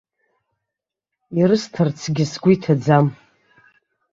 Ирысҭарцгьы сгәы иҭаӡам.